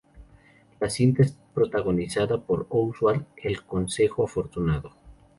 La cinta es protagonizada por Oswald el conejo afortunado.